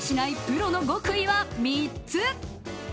プロの極意は３つ。